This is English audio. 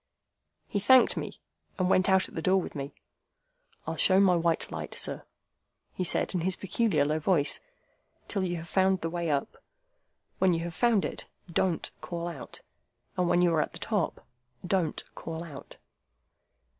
He thanked me, and went out at the door with me. "I'll show my white light, sir," he said, in his peculiar low voice, "till you have found the way up. When you have found it, don't call out! And when you are at the top, don't call out!"